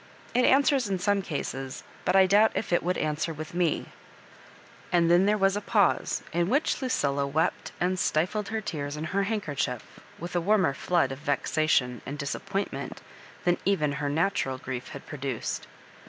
It answers in some cases, but I doubt if it would answer with me." And th^ there was a pause, in which Lucilla wept and stifled her tears in her handkerchief with a warmer flood of vexation and disappomt ment than even her natural grief had produced.